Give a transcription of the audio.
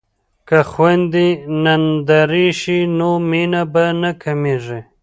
که خویندې نندرې شي نو مینه به نه کمیږي.